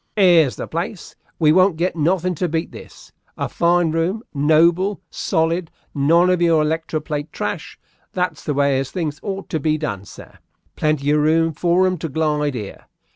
"'Ere's the place; we won't get nothin' to beat this! A fine room noble, solid, none of your electro plate trash! That's the way as things ought to be done, sir. Plenty of room for 'em to glide here.